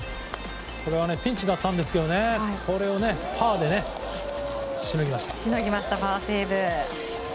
ピンチだったんですがこれをパーでしのぎました。